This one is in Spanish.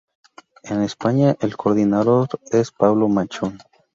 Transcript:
En España, el coordinador es Pablo Machón.